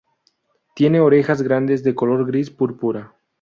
Tiene orejas grandes de color gris púrpura.